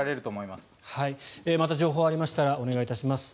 また情報がありましたらお願いいたします。